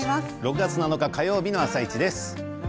６月７日火曜日の「あさイチ」です。